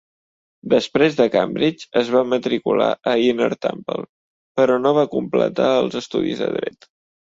Després de Cambridge, es va matricular a Inner Temple, però no va completar els estudis de Dret.